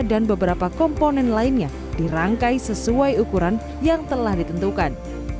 dan beberapa komponen lainnya dirangkai sesuai ukuran yang telah ditentukan